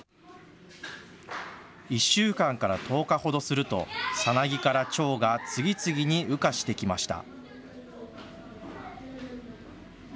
１週間から１０日ほどするとサナギからチョウが次々に羽化してきました。